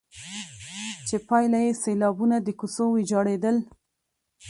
چي پايله يې سيلابونه، د کوڅو ويجاړېدل،